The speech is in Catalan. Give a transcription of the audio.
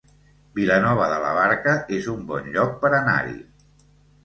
Vilanova de la Barca es un bon lloc per anar-hi